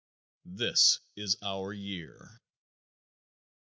_This Is Our Year.